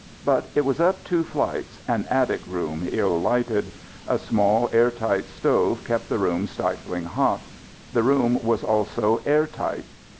But it was up two flights an attic room ill lighted. A small air tight stove kept the room stifling hot. The room was also air tight.